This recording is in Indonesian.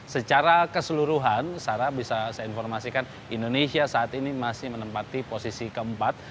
secara keseluruhan sarah bisa saya informasikan indonesia saat ini masih menempati posisi keempat